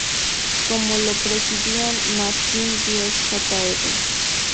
Como lo presidían Martin Dies Jr.